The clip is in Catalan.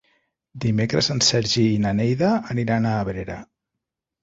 Dimecres en Sergi i na Neida aniran a Abrera.